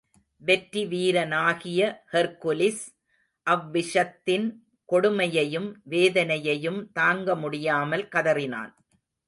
வெற்றி வீரனாகிய ஹெர்க்குலிஸ் அவ்விஷத்தின் கொடுமையையும், வேதனையையும் தாங்க முடியாமல் கதறினான்.